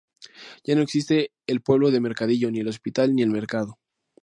Ya no existe ni el pueblo de Mercadillo, ni el hospital, ni el mercado.